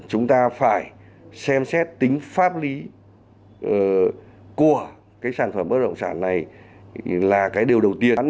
chúng ta phải xem xét tính pháp lý của cái sản phẩm bất động sản này là cái điều đầu tiên